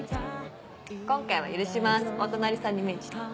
今回は許しますお隣さんに免じて。